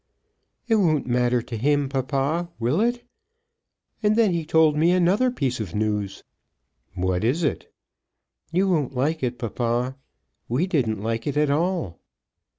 "It won't matter to him, papa; will it? And then he told me another piece of news." "What is it?" "You won't like it, papa. We didn't like it at all."